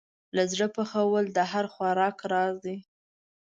له زړه پخول د هر خوراک راز دی.